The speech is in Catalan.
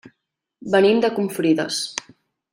Venim de Confrides.